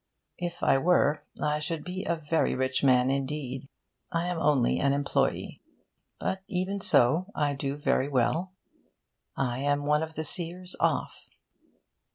If I were, I should be a very rich man indeed. I am only an employe'. But even so I do very well. I am one of the seers off.'